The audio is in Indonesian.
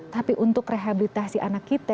tapi untuk rehabilitasi anak kita